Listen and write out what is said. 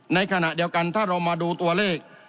ในขณะเดียวกันถ้าเรามาดูตัวเลข